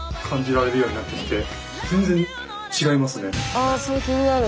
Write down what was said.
あっそれ気になる。